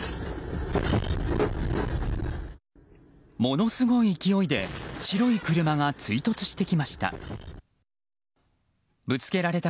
ものすごい勢いで白い車が追突してきました。